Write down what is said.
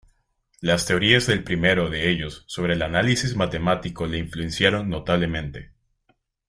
Las teorías del primero de ellos sobre el Análisis matemático le influenciaron notablemente.